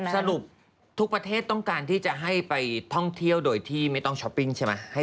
สรุปทุกประเทศต้องการที่จะให้ไปท่องเที่ยวโดยที่ไม่ต้องช้อปปิ้งใช่ไหม